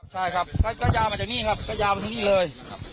ใช่ครับก็ยาวมาจากนี่ครับก็ยาวมาถึงนี่เลย